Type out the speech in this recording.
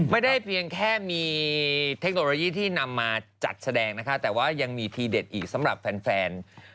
ไม่ได้เพียงแค่มีเทคโนโลยีที่นำมาจัดแสดงนะคะแต่ว่ายังมีทีเด็ดอีกสำหรับแฟน